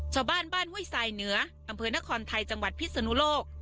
ชาวบ้านบ้านห้วยสายเหนืออำเภอนครไทยจังหวัดพิศนุโลก